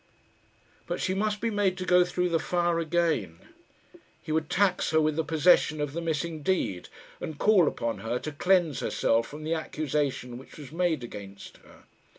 But she must be made to go through the fire again. He would tax her with the possession of the missing deed, and call upon her to cleanse herself from the accusation which was made against her.